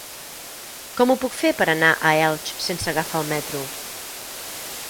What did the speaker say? Com ho puc fer per anar a Elx sense agafar el metro?